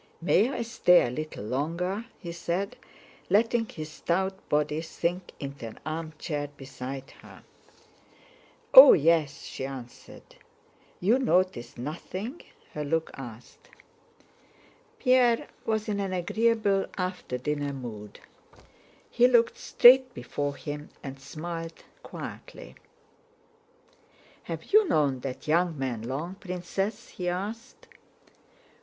"May I stay a little longer?" he said, letting his stout body sink into an armchair beside her. "Oh yes," she answered. "You noticed nothing?" her look asked. Pierre was in an agreeable after dinner mood. He looked straight before him and smiled quietly. "Have you known that young man long, Princess?" he asked.